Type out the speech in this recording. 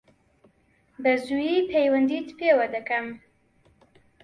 بەزوویی پەیوەندیت پێوە دەکەم.